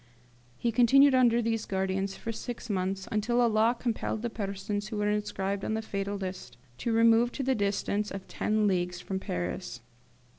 He continued under these guardians six months, until a law compelled the persons who were inscribed on the fatal list to remove to the distance of ten leagues from Paris.